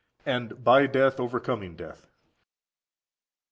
(and) by death overcoming death.